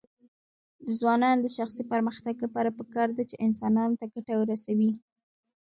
د ځوانانو د شخصي پرمختګ لپاره پکار ده چې انسانانو ته ګټه رسوي.